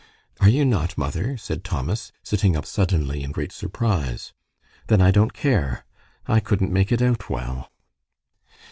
"Are you not, mother?" said Thomas, sitting up suddenly in great surprise. "Then I don't care. I couldn't make it out well."